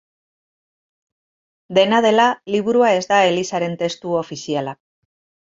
Dena dela liburua ez da elizaren testu ofiziala.